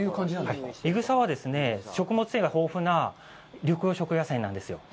いぐさは、食物繊維が豊富な緑黄色野菜なんですよ。